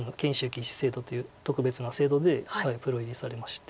棋士制度という特別な制度でプロ入りされまして。